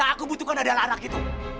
aku butuh anak itu